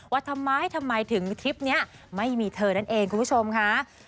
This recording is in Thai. ว่าทำไมทำไมถึงทริปนี้ไม่มีเธอนั่นเองคุณผู้ชมค่ะ